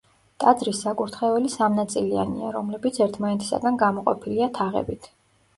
ტაძრის საკურთხეველი სამნაწილიანია, რომლებიც ერთმანეთისაგან გამოყოფილია თაღებით.